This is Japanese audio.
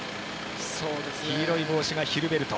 黄色い帽子がヒルベルト。